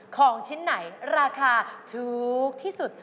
ของชิ้นไหนราคาถูกที่สุด